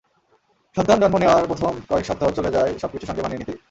সন্তান জন্ম নেওয়ার প্রথম কয়েক সপ্তাহ চলে যায় সবকিছুর সঙ্গে মানিয়ে নিতেই।